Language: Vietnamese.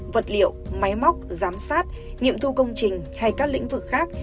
vật liệu máy móc giám sát nghiệm thu công trình hay các lĩnh vực khác